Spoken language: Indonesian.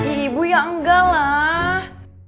ibu ya enggak lah